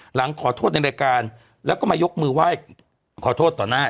หลังขอโทษในรายการแล้วก็มายกมือไหว้ขอโทษต่อหน้า